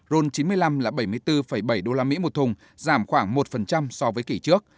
rôn chín mươi năm là bảy mươi bốn bảy usd một thùng giảm khoảng một so với kỷ trước